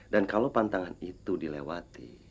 dan kalau pantangan itu dilewati